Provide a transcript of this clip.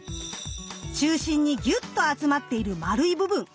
中心にギュッと集まっている丸い部分。